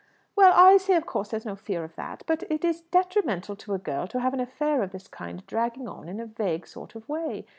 "Well, I say of course there's no fear of that; but it is detrimental to a girl to have an affair of this kind dragging on in a vague sort of way.